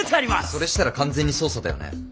それしたら完全に捜査だよね。